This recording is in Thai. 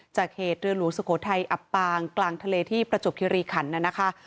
จากเหตุเรือหลวงสุโขทัยอับปางกลางทะเลที่ประจวบคิริขันน่ะนะคะ